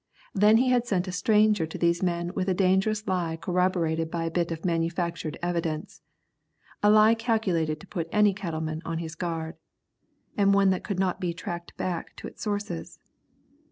Then he had sent a stranger to these men with a dangerous lie corroborated by a bit of manufactured evidence, a lie calculated to put any cattleman on his guard, and one that could not be tracked back to its sources.